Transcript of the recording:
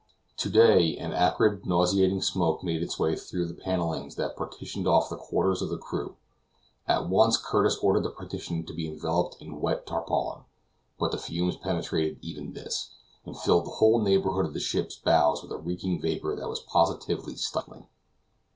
To day, an acrid, nauseating smoke made its way through the panelings that partition off the quarters of the crew. At once Curtis ordered the partition to be enveloped in wet tarpaulin, but the fumes penetrated even this, and filled the whole neighborhood of the ship's bows with a reeking vapor that was positively stifling.